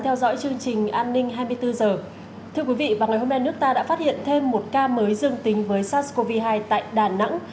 thưa quý vị vào ngày hôm nay nước ta đã phát hiện thêm một ca mới dương tính với sars cov hai tại đà nẵng